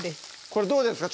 これどうですか？